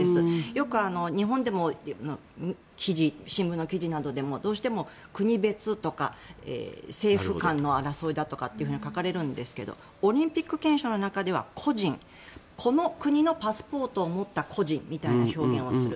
よく日本でも新聞の記事などでもどうしても国別とか政府間の争いだとかってことが書かれるんですけれどオリンピック憲章の中では個人、この国のパスポートを持った個人という表現をする。